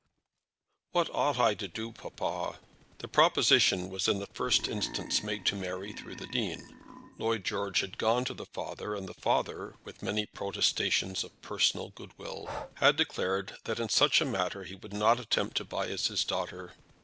"What ought I to do, papa?" The proposition was in the first instance made to Mary through the Dean. Lord George had gone to the father, and the father with many protestations of personal goodwill, had declared that in such a matter he would not attempt to bias his daughter.